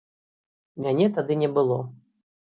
Мяне тады не было.